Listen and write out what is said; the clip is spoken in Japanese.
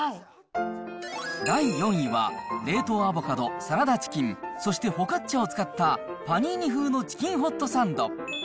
第４位は、冷凍アボカド、サラダチキン、そしてフォカッチャを使った、パニーニ風のチキンホットサンド。